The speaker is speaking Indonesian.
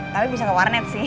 tapi bisa ke warnet sih